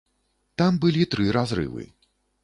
Там былі тры разрывы.